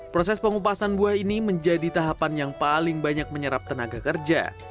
proses pengupasan buah ini menjadi tahapan yang paling banyak menyerap tenaga kerja